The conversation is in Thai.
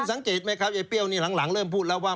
สังเกตไหมครับยายเปรี้ยวนี่หลังเริ่มพูดแล้วว่า